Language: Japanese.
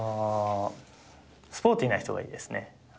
スポーティーな人がいいですね。